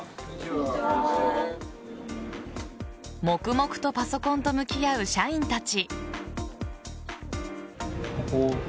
黙々とパソコンと向き合う社員たち。